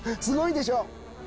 すごいでしょ？」。